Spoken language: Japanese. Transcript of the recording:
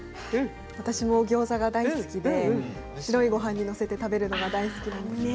私もギョーザが大好きで白いごはんに載せて食べるのが大好きなんです。